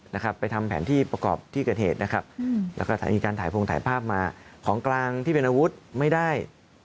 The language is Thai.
และมีการถ่ายภาพมาของกลางที่เป็นอาวุธไม่ได้